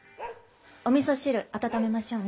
おみそ汁温めましょうね。